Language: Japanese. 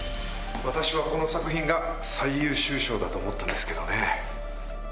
私はこの作品が最優秀賞だと思ったんですけどね。